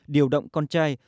điều động con trai